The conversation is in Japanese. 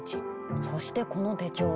そしてこの手帳。